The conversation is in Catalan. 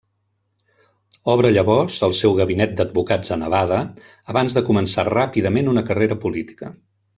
Obre llavors el seu gabinet d'advocats a Nevada abans de començar ràpidament una carrera política.